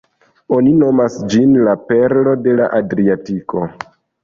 Oni nomas ĝin "la perlo de la Adriatiko".